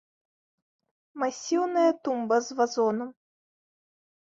Масіўная тумба з вазонам.